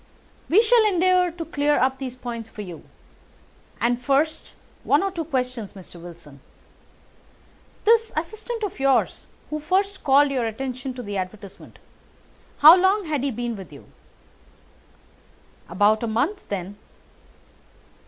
"We shall endeavour to clear up these points for you. And, first, one or two questions, Mr. Wilson. This assistant of yours who first called your attention to the advertisement—how long had he been with you?" "About a month then."